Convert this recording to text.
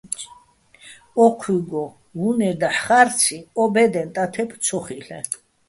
ო́ჴუჲგო, უ̂ნე́ დაჰ̦ ხა́რციჼ, ო ბე́დეჼ ტათებ ცო ხილ'ეჼ.